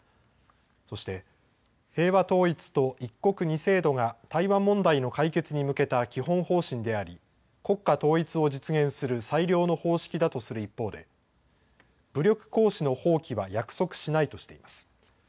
そして平和統一と一国二制度が台湾問題の解決に向けた基本方針であり国家統一を実現する最良の方式だとする一方で武力行使の放棄は約束しないとしています。